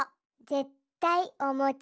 ぜったいおもち。